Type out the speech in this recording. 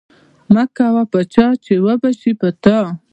مکوه په چا چی اوبشی په تا